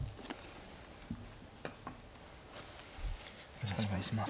よろしくお願いします。